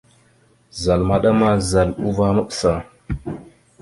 Zal maɗa ma, zal uvah maɓəsa.